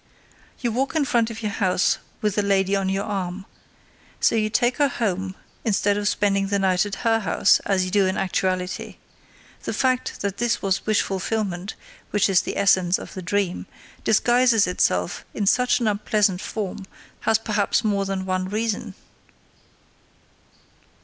You walk in front of your house with the lady on your arm. So you take her home, instead of spending the night at her house, as you do in actuality. The fact that the wish fulfillment, which is the essence of the dream, disguises itself in such an unpleasant form, has perhaps more than one reason.